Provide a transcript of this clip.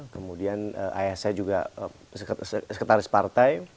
kemudian ayah saya juga sekretaris partai